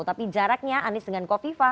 tapi jaraknya anies baswedan yang berwarna merah